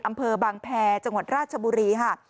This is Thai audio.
อำเภอบางแพรจังหวัดราชบุรีค่ะ